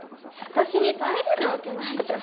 私に耐えれるわけないじゃん。